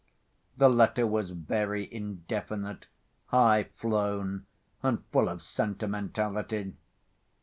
The letter was very indefinite, high‐flown, and full of sentimentality.